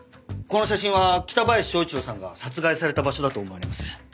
この写真は北林昭一郎さんが殺害された場所だと思われます。